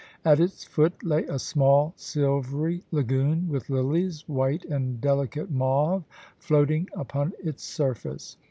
At its foot lay a small silvery lagoon, with lilies, white and delicate mauve, floating upon its surface.